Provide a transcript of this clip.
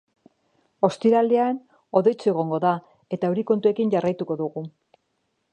Ostiralean hodeitsu egongo da eta euri kontuekin jarraituko dugu.